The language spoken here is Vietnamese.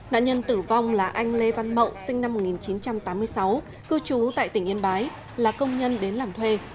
nạn nhân tử vong là anh lê văn mậu sinh năm một nghìn chín trăm tám mươi sáu cư trú tại tỉnh yên bái là công nhân đến làm thuê